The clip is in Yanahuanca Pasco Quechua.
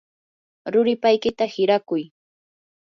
ruripaykita hirakuy.